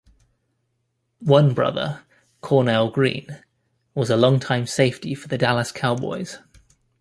One brother, Cornell Green, was a long-time safety for the Dallas Cowboys.